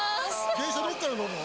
電車どこから乗るの？